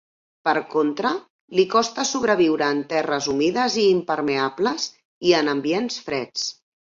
Per contra, li costa sobreviure en terres humides i impermeables i en ambients freds.